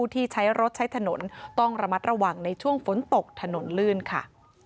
ต้องระมัดระหว่างในช่วงฝนตกถนนลื่นค่ะ